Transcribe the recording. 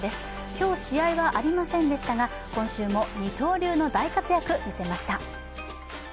今日、試合はありませんでしたが、今週も二刀流の大活躍、見せました。